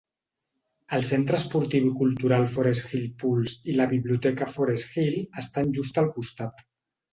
El centre esportiu i cultural Forest Hill Pools i la biblioteca Forest Hill estan just al costat.